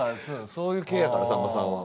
そういう系やからさんまさんは。